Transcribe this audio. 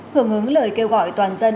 hưởng ứng lời kêu gọi toàn dân